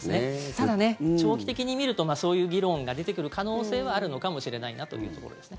ただね、長期的に見るとそういう議論が出てくる可能性はあるのかもしれないなというところですね。